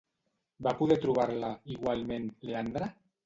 Va poder trobar-la, igualment, Leandre?